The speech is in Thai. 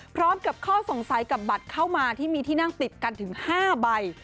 พร้อมกับข้อสงสัยกับบัตรเข้ามาที่มีที่นั่งติดกันถึง๕ใบ